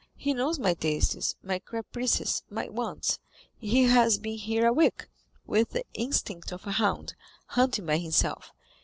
He knows my tastes, my caprices, my wants. He has been here a week, with the instinct of a hound, hunting by himself.